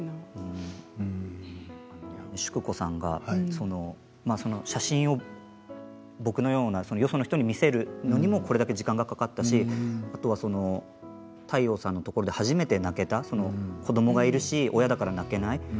淑子さんが写真を僕のような、よその人に見せるのにもこれだけ時間がかかったしあとは諦應さんのところで初めて泣けた子どもがいるし親だから泣けない。